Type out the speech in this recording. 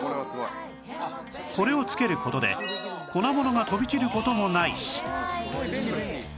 これをつける事で粉物が飛び散る事もないし